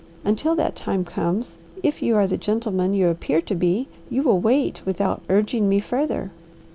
Until that times comes, if you are the gentleman you appear to be, you will wait without urging me further."